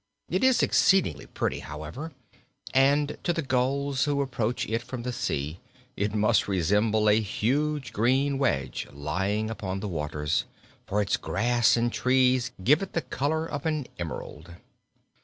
It is exceedingly pretty, however, and to the gulls who approach it from the sea it must resemble a huge green wedge lying upon the waters, for its grass and trees give it the color of an emerald.